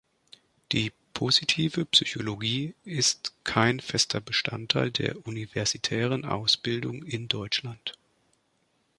Die Positive Psychologie ist kein fester Bestandteil der universitären Ausbildung in Deutschland.